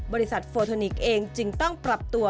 บริษัทโฟทอนิกส์เองจึงต้องปรับตัว